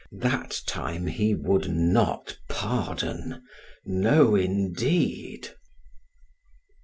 That time he would not pardon. No, indeed.